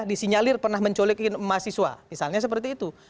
disinyalir pernah mencolikin mahasiswa misalnya seperti itu